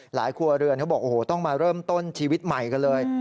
ครัวเรือนเขาบอกโอ้โหต้องมาเริ่มต้นชีวิตใหม่กันเลย